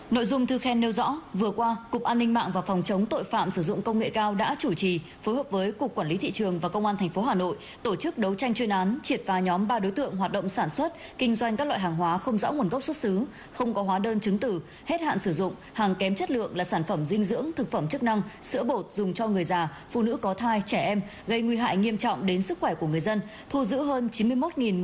nội dung thư khen nêu rõ vừa qua cục an ninh mạng và phòng chống tội phạm sử dụng công nghệ cao đã chủ trì phối hợp với cục quản lý thị trường và công an tp hà nội tổ chức đấu tranh chuyên án triệt phá nhóm ba đối tượng hoạt động sản xuất kinh doanh các loại hàng hóa không rõ nguồn gốc xuất xứ không có hóa đơn chứng tử hết hạn sử dụng hàng kém chất lượng là sản phẩm dinh dưỡng thực phẩm chức năng sữa bột dùng cho người già phụ nữ có thai trẻ em gây nguy hại nghiêm trọng đến sức khỏe